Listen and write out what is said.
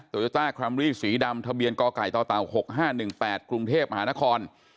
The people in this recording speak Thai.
ตัวโยต้าคลัมรี่สีดำทะเบียนกไก่ตต๖๕๑๘กรุงเทพฯมหานคร